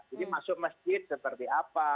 jadi masuk masjid seperti apa